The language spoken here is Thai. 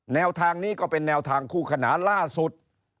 แนวทางนี้ก็เป็นแนวทางคู่ขนานล่าสุด